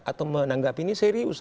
atau menanggap ini serius